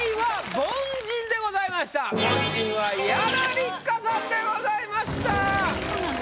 凡人は伊原六花さんでございました。